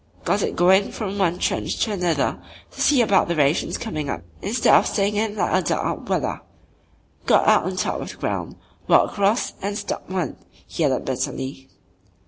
"Got it goin' from one trench to another to see about the rations comin' up instead of stayin' in like a 'dug out wallah.' Got out on top of the ground, walked across an' stopped one," he added bitterly.